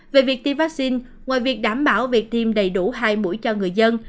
về việc tiêm vaccine ngoài việc đảm bảo việc tiêm đầy đủ hai mũi cho người dân